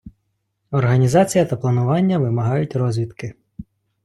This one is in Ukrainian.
Організація та планування вимагають розвідки.